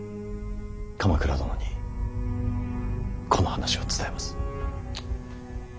鎌倉殿にこの話を伝えます。